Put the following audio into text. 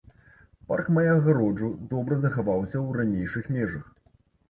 Парк мае агароджу, добра захаваўся ў ранейшых межах.